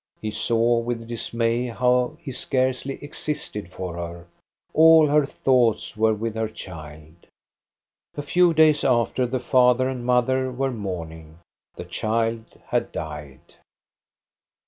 He saw with dismay how he scarcely existed for her. All her thoughts were with her child. A few days after the father and mother were mourn ing. The child had died.